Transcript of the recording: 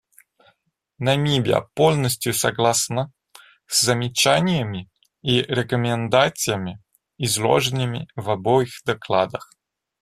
Намибия полностью согласна с замечаниями и рекомендациями, изложенными в обоих докладах.